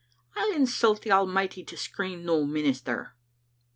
I'll insult the Almighty to screen no minister.